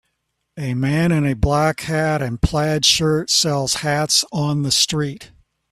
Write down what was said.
A man in a black hat and plaid shirt sells hats on the street